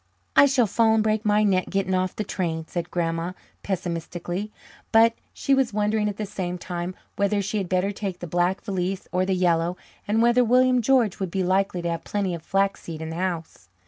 "I shall fall and break my neck getting off the train," said Grandma pessimistically. But she was wondering at the same time whether she had better take the black valise or the yellow, and whether William George would be likely to have plenty of flaxseed in the house.